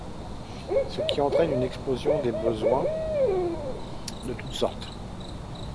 Ce qui entraîne une explosion des besoins de toutes sortes.